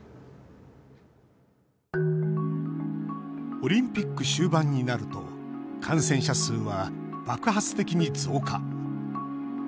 オリンピック終盤になると感染者数は爆発的に増加。